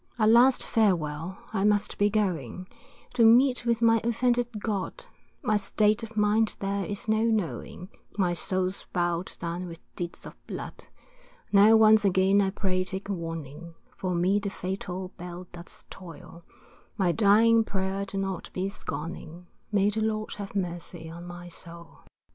A last farewell, I must be going, To meet with my offended God, My state of mind there is no knowing, My soul's bow'd down with deeds of blood. Now once again I pray take warning; For me the fatal bell does toll, My dying prayer do not be scorning, May the Lord have mercy on my soul.